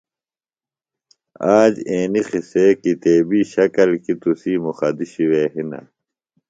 آج اینیۡ قِصے کتیبیۡ شِکل کیۡ تُسی مخدوشیۡ وے ہِنہ